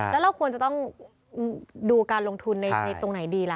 แล้วเราควรจะต้องดูการลงทุนในตรงไหนดีล่ะ